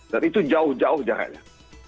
dan itu jauh jauh jaraknya